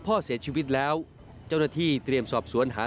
พ่อเสียชีวิตแล้วเจ้าหน้าที่เตรียมสอบสวนหา